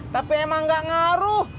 tapi emang gak ngaruh